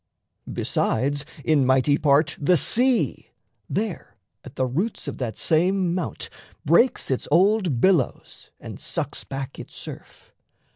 Besides, in mighty part, The sea there at the roots of that same mount Breaks its old billows and sucks back its surf.